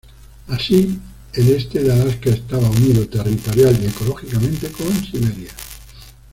Así el este de Alaska estaba unido territorial, y ecológicamente, con Siberia.